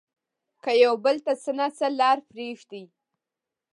که يو بل ته څه نه څه لار پرېږدي